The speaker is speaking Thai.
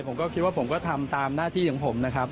ผมก็คิดว่าผมก็ทำตามหน้าที่ของผมนะครับ